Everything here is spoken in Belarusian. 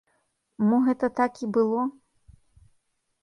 Мо гэта так і было?